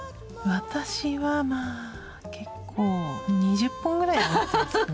私はまあ結構２０本ぐらいは持ってますね。